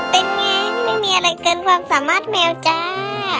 เป็นไงไม่มีอะไรเกินความสามารถแมวจ้า